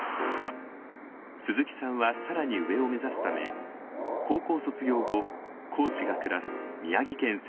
鈴木さんは更に上を目指すため高校卒業後コーチが暮らす宮城県仙台市の大学に進学。